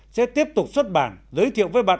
sẽ tiếp tục xuất bản giới thiệu với bạn